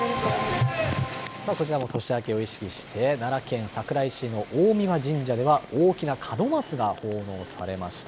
さあ、こちらも年明けを意識して、奈良県桜井市の大神神社では、大きな門松が奉納されました。